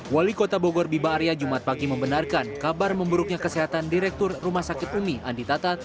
wali kota bogor bima arya jumat pagi membenarkan kabar memburuknya kesehatan direktur rumah sakit umi andi tata